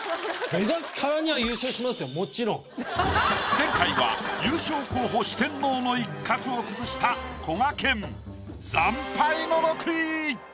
前回は優勝候補四天王の一角を崩したこがけん惨敗の６位。